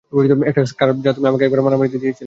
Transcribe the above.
একটা স্কার্ফ যা তুমি আমাকে একবার মায়ামিতে দিয়েছিলে।